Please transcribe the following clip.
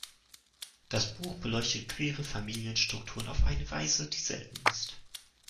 Das Buch beleuchtet queere Familienstrukturen auf eine Weise, die selten ist.